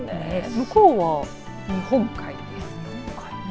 向こうは日本海ですかね。